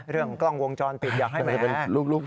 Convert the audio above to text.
เรื่องกล้องวงจรปิดอย่างใหม่แหละ